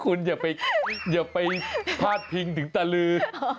คุณอย่าไปพาดพิงถึงตะลือ